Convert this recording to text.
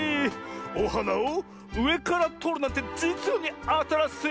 おはなをうえからとるなんてじつにあたらしい！